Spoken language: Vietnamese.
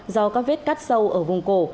do các vết cắt sâu ở vùng cổ